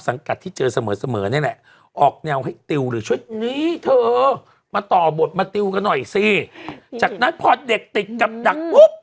สิจากนั้นพอเด็กติดกับดักปุ๊บ